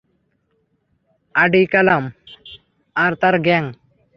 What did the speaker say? আডিকালাম আর তার গ্যাং।